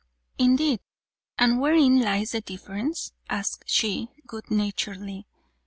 "Indeed, and wherein lies the difference?" asked she, good naturedly.